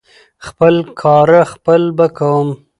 خپل کاره خپل به کوم .